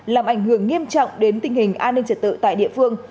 làm ảnh hưởng nghiêm trọng đến tình hình an ninh trật tự tại địa phương